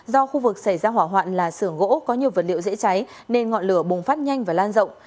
do khu vực xảy ra hỏa hoạn là sưởng gỗ có nhiều vật liệu dễ cháy nên ngọn lửa bùng phát nhanh và lan rộng